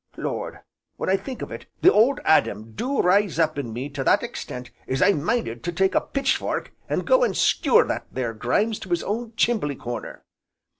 Lord! when I think of it the 'Old Adam' do rise up in me to that extent as I'm minded to take a pitch fork and go and skewer that there Grimes to his own chimbley corner.